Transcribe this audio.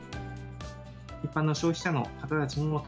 一般の消費者の方たちにも食